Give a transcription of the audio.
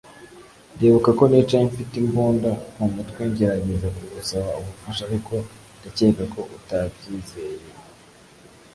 ndibuka ko nicaye mfite imbunda mumutwe ngerageza kugusaba ubufasha ariko ndakeka ko utabyizeye